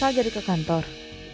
sal jadi ke kantor